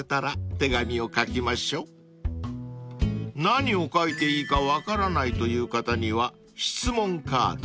［何を書いていいか分からないという方には質問カード］